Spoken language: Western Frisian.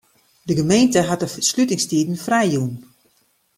De gemeente hat de slutingstiden frijjûn.